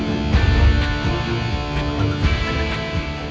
kamu ngertiin perasaan aku